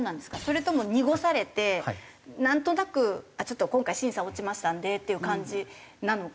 それとも濁されてなんとなく今回審査落ちましたのでっていう感じなのか。